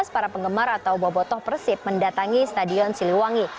para penggemar atau bobotoh persib mendatangi stadion siliwangi